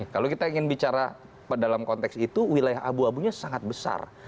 kalau kita ingin bicara dalam konteks itu wilayah abu abunya sangat besar